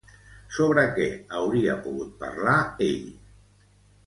Sobre què hauria pogut parlar ell?